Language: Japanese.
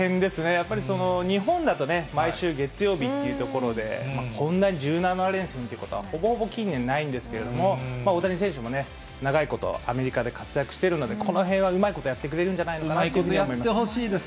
やっぱり日本だとね、毎週月曜日というところで、こんな１７連戦っていうことは、ほぼほぼ、近年ないんですけれども、大谷選手もね、長いこと、アメリカで活躍してるので、このへんはうまいことやってくれるんじゃないかなと思います。